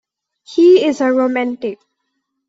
He is a romantic.